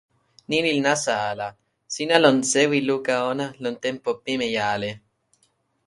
ni li nasa ala. sina lon sewi luka ona lon tenpo pimeja ale.